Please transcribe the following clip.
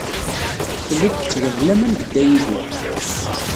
Telliḍ tettgeḍ laman deg Dda Yidir.